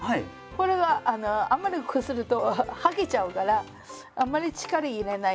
これがあんまりこすると剥げちゃうからあんまり力入れない。